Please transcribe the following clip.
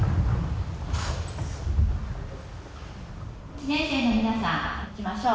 １年生の皆さん、立ちましょう。